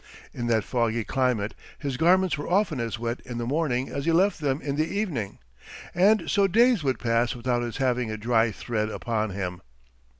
In that foggy climate his garments were often as wet in the morning as he left them in the evening, and so days would pass without his having a dry thread upon him.